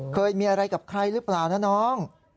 เคยมีอะไรกับใครหรือเปล่านะน้อง